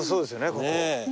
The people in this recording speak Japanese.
ここ。